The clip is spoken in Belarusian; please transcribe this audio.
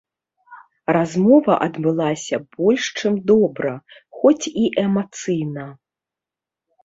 Размова адбылася больш чым добра, хоць і эмацыйна.